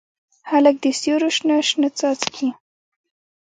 هلک د سیورو شنه، شنه څاڅکي